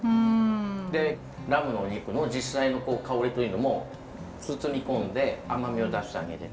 でラムのお肉の実際の香りというのも包み込んで甘みを出してあげてる。